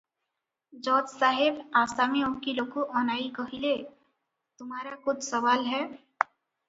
ଜଜ୍ ସାହେବ ଆସାମୀ ଓକିଲକୁ ଅନାଇ କହିଲେ - ତୁମାରା କୁଛ୍ ସବାଲ ହେ?